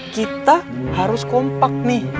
kita harus kompak nih